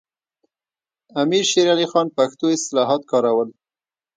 امیر شیر علي خان پښتو اصطلاحات کارول.